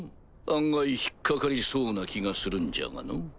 案外引っ掛かりそうな気がするんじゃがのぅ。